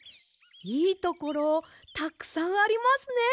いいところたくさんありますね。